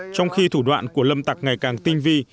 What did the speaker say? trong khi thủ đoạn của lâm tặc ngày càng tinh vi